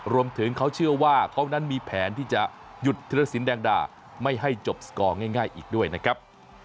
รวมถึงเขาเชื่อว่าเขานั้นมีแผนที่จะหยุดธิรสินแดงดาไม่ให้จบสกอร์ง่ายอีกด้วยนะครับ